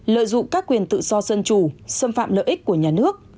lợi dụng các quyền tự do dân chủ xâm phạm lợi ích của nhà nước